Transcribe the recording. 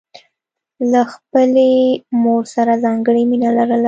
هغه له خپلې مور سره ځانګړې مینه لرله